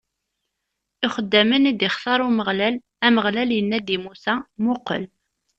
Ixeddamen i d-ixtaṛ Umeɣlal Ameɣlal inna-d i Musa: Muqel!